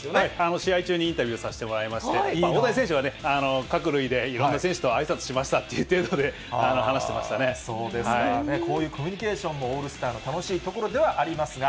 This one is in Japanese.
試合中にインタビューさせてもらいまして、大谷選手は、各塁でいろんな選手とあいさつしましたって言ってるので、話してそうですか。こういうコミュニケーションもオールスターの楽しいところではありますが。